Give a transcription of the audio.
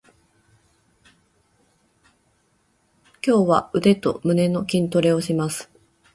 今日は腕と胸の筋トレをします。